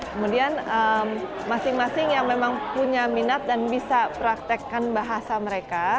kemudian masing masing yang memang punya minat dan bisa praktekkan bahasa mereka